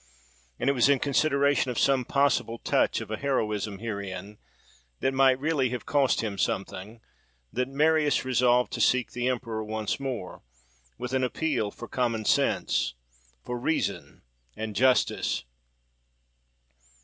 And it was in consideration of some possible touch of a heroism herein that might really have cost him something, that Marius resolved to seek the emperor once more, with an appeal for common sense, for reason and justice.